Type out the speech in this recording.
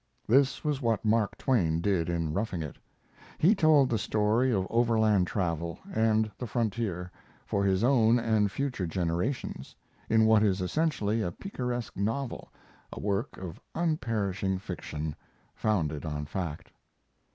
This was what Mark Twain did in 'Roughing It'. He told the story of overland travel and the frontier, for his own and future generations, in what is essentially a picaresque novel, a work of unperishing fiction, founded on fact.